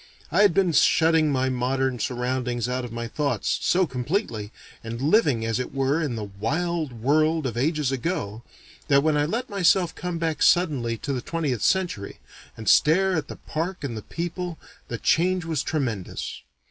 I had been shutting my modern surroundings out of my thoughts, so completely, and living as it were in the wild world of ages ago, that when I let myself come back suddenly to the twentieth century, and stare at the park and the people, the change was tremendous.